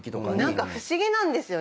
何か不思議なんですよね。